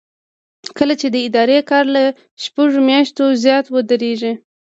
کله چې د ادارې کار له شپږو میاشتو زیات ودریږي.